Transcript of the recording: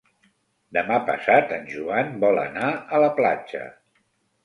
Demà passat en Joan vol anar a la platja.